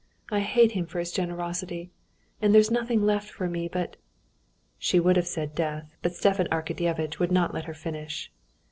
I hate him for his generosity. And there's nothing left for me but...." She would have said death, but Stepan Arkadyevitch would not let her finish.